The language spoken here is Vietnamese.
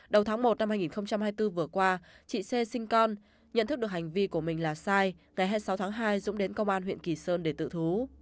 đầu tháng một năm hai nghìn hai mươi bốn vừa qua chị xê sinh con nhận thức được hành vi của mình là sai ngày hai mươi sáu tháng hai dũng đến công an huyện kỳ sơn để tự thú